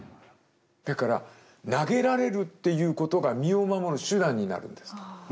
だから投げられるっていうことが身を守る手段になるんです。